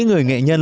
người nghệ nhân